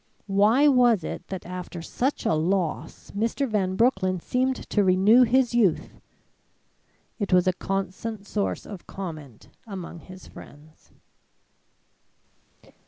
Why was it that after such a loss Mr. Van Broecklyn seemed to renew his youth? It was a constant source of comment among his friends.